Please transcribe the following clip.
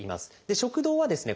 食道はですね